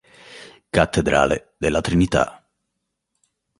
Cattedrale della Trinità